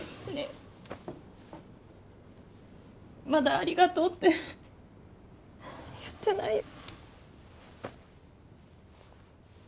まだありがとうって言ってないよ。